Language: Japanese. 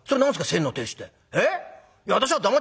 先の亭主って』」。